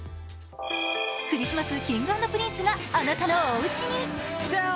クリスマス、Ｋｉｎｇ＆Ｐｒｉｎｃｅがあなたのおうちに。